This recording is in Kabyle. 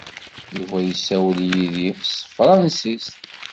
Yuba yessawel yid-i s tefṛensist.